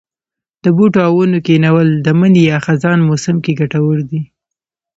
د بوټو او ونو کښېنول د مني یا خزان موسم کې کټور دي.